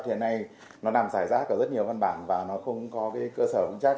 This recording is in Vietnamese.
thì hôm nay nó nằm sải rác ở rất nhiều văn bản và nó không có cơ sở cũng chắc